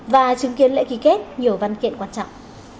và chứng kiến lễ ký kết nhiều văn kiện quan trọng